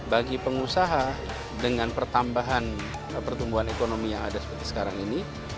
bagi pengusaha dengan pertambahan pertumbuhan ekonomi yang ada seperti sekarang ini